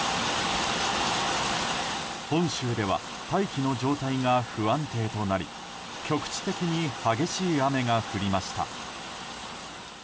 本州では大気の状態が不安定となり局地的に激しい雨が降りました。